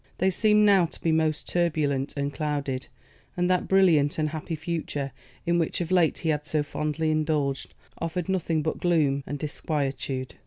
They seemed now to be most turbulent and clouded; and that brilliant and happy future, in which of late he had so fondly indulged, offered nothing but gloom and disquietude.